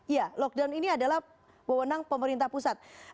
ya lockdown ini adalah wewenang pemerintah pusat